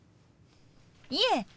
いえ